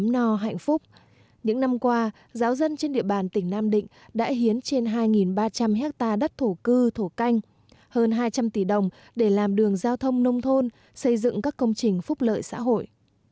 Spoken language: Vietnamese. những năm qua giáo dân trên địa bàn tỉnh nam định đã hiến trên hai ba trăm linh hectare đất thổ cư canh hơn hai trăm linh tỷ đồng để làm đường giao thông nông thôn xây dựng các công trình phúc lợi xã hội